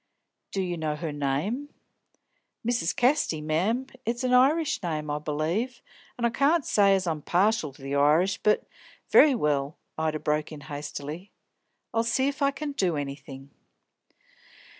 "Do you know her name?" "Mrs. Casty, mem. It's a Irish name, I b'lieve, an' I can't say as I'm partial to the Irish, but " "Very well," Ida broke in hastily. "I'll see if I can do anything."